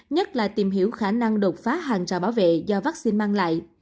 nhất là tìm hiểu khả năng đột phá hàng trào bảo vệ do vaccine mang lại